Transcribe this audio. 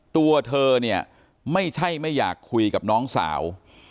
ตัวเธอเนี่ยไม่ใช่ไม่อยากคุยกับน้องสาว